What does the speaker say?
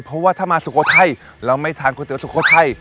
เพราะว่าถ้ามาสุโขทัยเราไม่ทานก๋วยเตี๋สุโขทัย